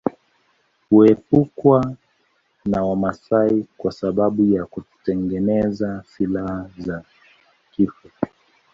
Huepukwa na Wamaasai kwa sababu ya kutengeneza silaha za kifo